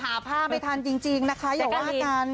ผ้าไม่ทันจริงนะคะอย่าว่ากัน